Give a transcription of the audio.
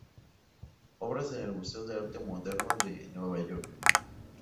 Obras en el Museo de Arte Moderno de Nueva York.